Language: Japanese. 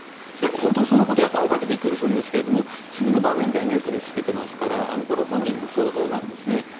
本当にそんなことをやったのかってびっくりするんですけれども次の場面ではネックレスつけてますからこれは本人の想像なんですね。